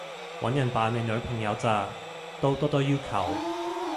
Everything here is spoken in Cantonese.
搵人扮你女朋友咋，都多多要求